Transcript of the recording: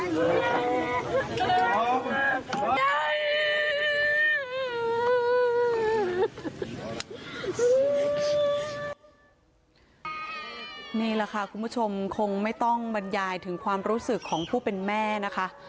นี่แหละค่ะคุณผู้ชมคงไม่ต้องบรรยายถึงความรู้สึกของผู้เป็นแม่นะคะ